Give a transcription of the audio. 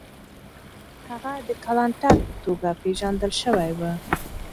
هغه د کلانتر په توګه پېژندل سوی و.